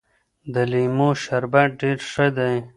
د لیمو شربت ډېر ښه دی.